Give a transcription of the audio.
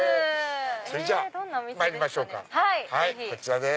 それじゃまいりましょうかこちらです。